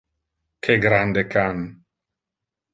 Que grande can!